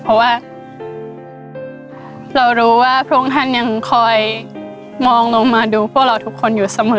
เพราะว่าเรารู้ว่าพระองค์ท่านยังคอยมองลงมาดูพวกเราทุกคนอยู่เสมอ